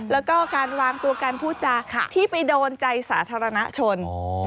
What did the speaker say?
แล้วก็การวางตัวการพูดจาที่ไปโดนใจสาธารณชน